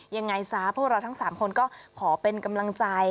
ยังไงซะพวกเราทั้ง๓คนก็ขอเป็นกำลังใจ